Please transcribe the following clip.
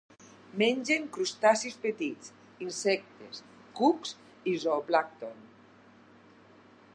Mengen crustacis petits, insectes, cucs i zooplàncton.